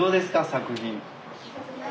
作品。